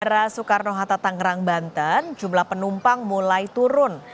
bandara soekarno hatta tangerang banten jumlah penumpang mulai turun